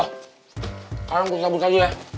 sekarang gua sabut aja ya